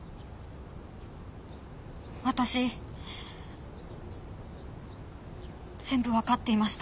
私全部わかっていました。